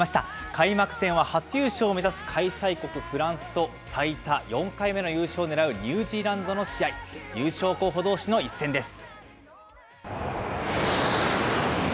開幕戦は、初優勝を目指す開催国フランスと、最多４回目の優勝を狙うニュージーランドの試合、優勝候補どうしの一戦です。